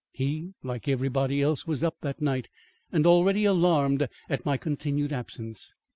He like everybody else was up that night, and already alarmed at my continued absence.